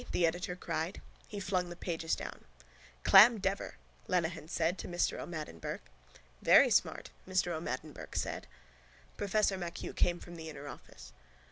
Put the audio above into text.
the editor cried. He flung the pages down. —Clamn dever, Lenehan said to Mr O'Madden Burke. —Very smart, Mr O'Madden Burke said. Professor MacHugh came from the inner office.